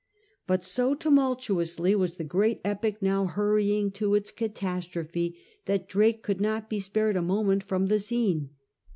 But so tumultuously was the great epic now hurrying to its catastrophe that Drake could not be spared a moment from the scene.